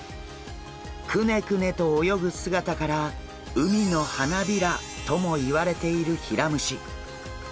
クネクネと泳ぐ姿から海の花びらともいわれているヒラムシ。